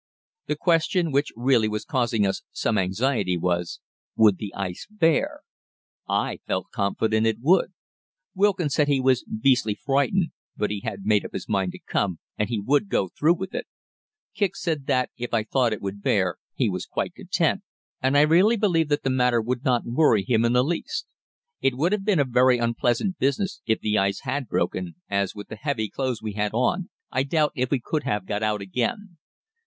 The question which really was causing us some anxiety was, "Would the ice bear?" I felt confident it would. Wilkin said he was beastily frightened, but he had made up his mind to come and he would go through with it. Kicq said that, if I thought it would bear, he was quite content, and I really believe that the matter did not worry him in the least. It would have been a very unpleasant business if the ice had broken, as, with the heavy clothes we had on, I doubt if we could have got out again.